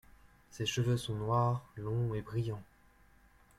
Ses cheveux sont noirs, longs et brillants.